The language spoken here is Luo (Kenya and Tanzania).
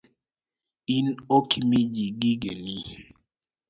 In ok imi ji gigeni?